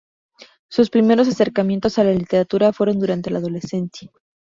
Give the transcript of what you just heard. Sus primeros acercamientos a la literatura fueron durante la adolescencia.